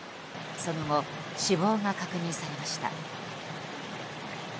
その後、死亡が確認されました。